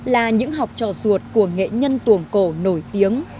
là những học trò ruột của nghệ nhân tuồng cổ nổi tiếng